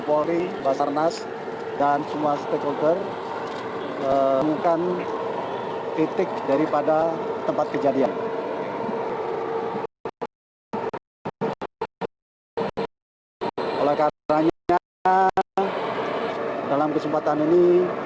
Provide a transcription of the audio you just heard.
oleh karena dalam kesempatan ini